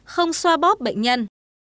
không xoa bóp bệnh nhân